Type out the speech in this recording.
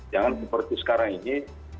jangan seperti sekarang ini